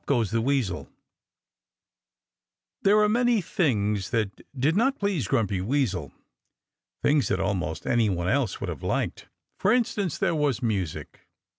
GOES THE WEASEL There were many things that did not please Grumpy Weasel things that almost any one else would have liked. For instance, there was music.